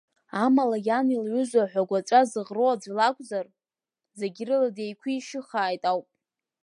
Амала иан илҩызоу аҳәагәаҵәа зыӷроу аӡә лакәзар, зегь рыла деиқәишьыхааит ауп.